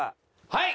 はい！